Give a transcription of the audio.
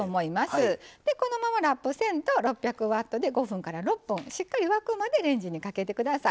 でこのままラップせんと６００Ｗで５６分間しっかり沸くまでレンジにかけて下さい。